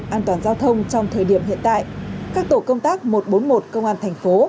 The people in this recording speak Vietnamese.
an toàn giao thông trong thời điểm hiện tại các tổ công tác một trăm bốn mươi một công an thành phố